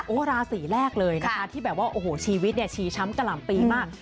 โอ้โหราศีแรกเลยนะคะที่แบบว่าโอ้โหชีวิตเนี่ยชีช้ำกะหล่ำปีมาก